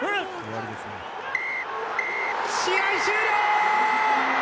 試合終了！